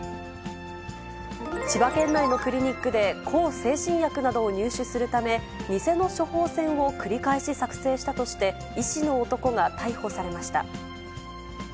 千葉県内のクリニックで、向精神薬などを入手するため、偽の処方箋を繰り返し作成したとして、医師の男が逮捕されました。